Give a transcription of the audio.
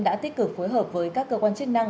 đã tích cực phối hợp với các cơ quan chức năng